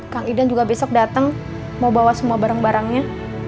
kang ida juga besok datang mau bawa semua barang barangnya